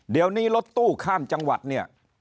เดี๋ยวนี้รถตู้ข้ามจังหวัดเนี่ย